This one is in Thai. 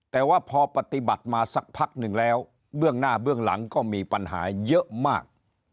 แต่ว่าพอปฏิบัติมาสักพักหนึ่งแล้วเบื้องหน้าเบื้องหลังก็มีปัญหาเยอะมาก